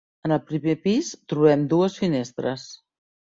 En el primer pis trobem dues finestres.